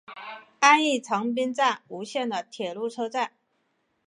安艺长滨站吴线的铁路车站。